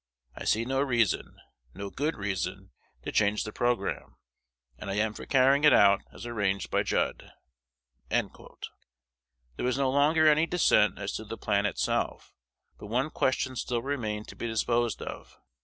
I see no reason, no good reason, to change the programme; and I am for carrying it out as arranged by Judd." There was no longer any dissent as to the plan itself; but one question still remained to be disposed of.